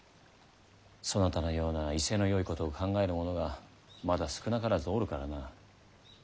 そなたのような威勢のよいことを考えるものがまだ少なからずおるからな。